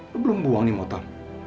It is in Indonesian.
lo belum buang nih motong